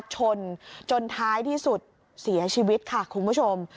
ชนจนท้ายที่สุดเสียชีวิตค่ะคุณผู้ชม